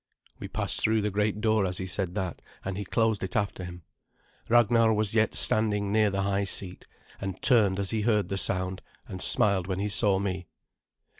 We passed through the great door as he said that, and he closed it after him. Ragnar was yet standing near the high seat, and turned as he heard the sound, and smiled when he saw me.